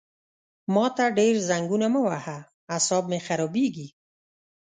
ما ته ډېر زنګونه مه وهه عصاب مې خرابېږي!